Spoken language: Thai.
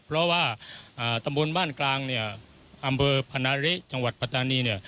เพราะว่าตำบลบ้านกลางอำเภอพนาเละจังหวัดปัตตานี